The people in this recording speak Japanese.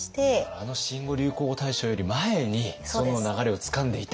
あの新語・流行語大賞より前にその流れをつかんでいた。